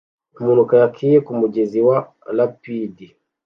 Umuntu kayakie kumugezi wa rapid